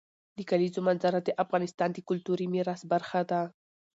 د کلیزو منظره د افغانستان د کلتوري میراث برخه ده.